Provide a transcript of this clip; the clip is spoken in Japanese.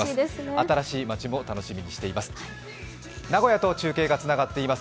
新しい街も楽しみにしています。